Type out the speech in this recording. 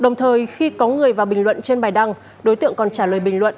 đồng thời khi có người vào bình luận trên bài đăng đối tượng còn trả lời bình luận